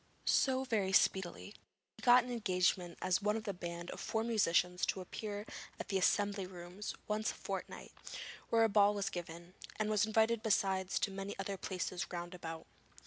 So very speedily he got an engagement as one of a band of four musicians to appear at the Assembly Rooms once a fortnight, where a ball was given, and was invited besides to many other places round about.